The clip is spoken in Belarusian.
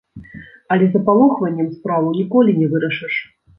Але запалохваннем справу ніколі не вырашыш.